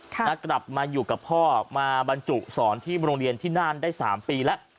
กลับมาอยู่กับพ่อมาบรรจุสอนที่โรงเรียนที่น่านได้สามปีแล้ว